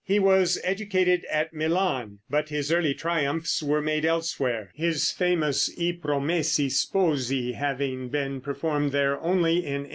He was educated at Milan, but his early triumphs were made elsewhere, his famous "I Promessi Sposi" having been performed there only in 1872.